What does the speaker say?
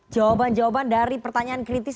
jawaban jawaban dari pertanyaan kritis